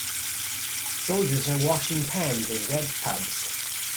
Soldiers are washing pans in red tubs.